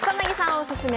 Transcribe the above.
オススメ